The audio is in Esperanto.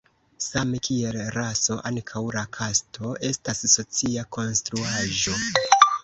Same kiel raso, ankaŭ la kasto estas socia konstruaĵo.